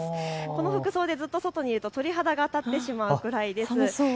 この服装でずっと外にいると鳥肌が立ってしまうくらいです。